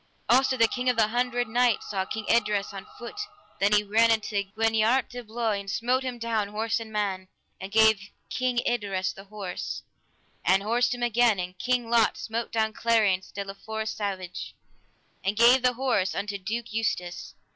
Also the King of the Hundred Knights saw King Idres on foot; then he ran unto Gwiniart de Bloi, and smote him down, horse and man, and gave King Idres the horse, and horsed him again; and King Lot smote down Clariance de la Forest Savage, and gave the horse unto Duke Eustace.